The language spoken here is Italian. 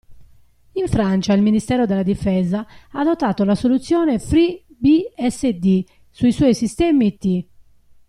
In Francia il Ministero della Difesa ha adottato la soluzione FreeBSD sui suoi sistemi IT.